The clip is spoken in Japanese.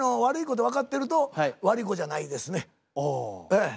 ええ。